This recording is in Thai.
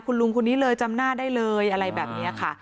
คุณลุงคนนี้เลยจำหน้าได้เลยอะไรแบบนี้ค่ะ